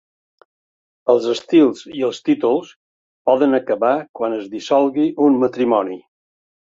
Els estils i els títols poden acabar quan es dissolgui un matrimoni.